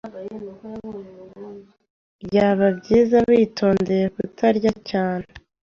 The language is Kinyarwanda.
Byaba byiza witondeye kutarya cyane.